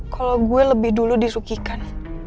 kalau gue lebih dulu disukikan